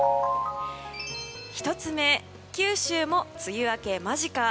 １つ目、九州も梅雨明け間近。